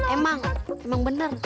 emang emang bener